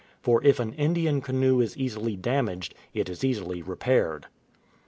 For if an Indian canoe is easily damaged, it is easily repaired.